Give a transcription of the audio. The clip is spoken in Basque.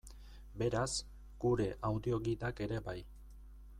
Beraz, gure audio-gidak ere bai.